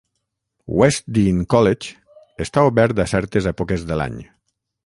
West Dean College està obert a certes èpoques de l'any.